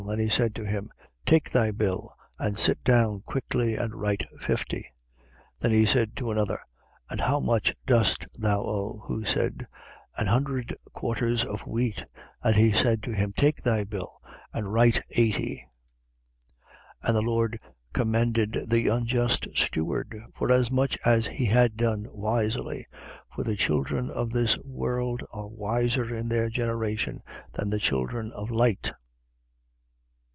And he said to him: Take thy bill and sit down quickly and write fifty. 16:7. Then he said to another: And how much dost thou owe? Who said: An hundred quarters of wheat. He said to him: Take thy bill and write eighty. 16:8. And the lord commended the unjust steward, forasmuch as he had done wisely: for the children of this world are wiser in their generation than the children of light.